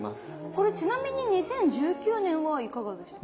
これちなみに２０１９年はいかがでしたか？